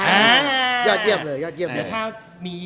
ไม่ว่ามี